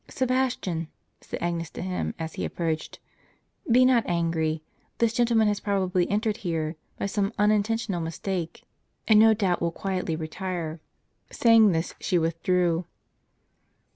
"Sebastian," said Agnes to him, as he approached, "be not angry ; this gentleman has probably entered here by some unintentional mistake, and no doubt will quietly retire." Saying this, she withdrew.